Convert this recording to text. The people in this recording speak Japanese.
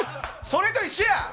それと一緒や！